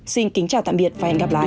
xin kính chào tạm biệt và hẹn gặp lại